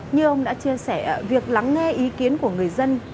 như ông đã chia sẻ việc lắng nghe ý kiến của người dân